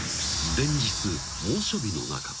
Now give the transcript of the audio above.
［連日猛暑日の中］